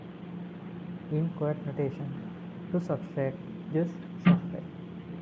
In quote notation, to subtract, just subtract.